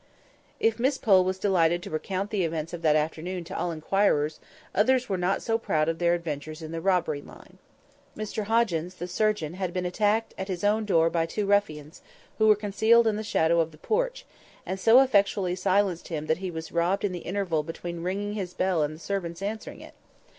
If Miss Pole was delighted to recount the events of that afternoon to all inquirers, others were not so proud of their adventures in the robbery line. Mr Hoggins, the surgeon, had been attacked at his own door by two ruffians, who were concealed in the shadow of the porch, and so effectually silenced him that he was robbed in the interval between ringing his bell and the servant's answering it.